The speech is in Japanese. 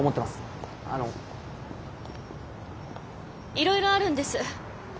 いろいろあるんです。